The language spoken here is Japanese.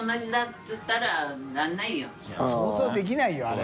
い想像できないよあれ。